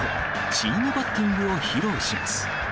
チームバッティングを披露します。